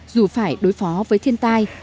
dù phải đối phó với thiên tai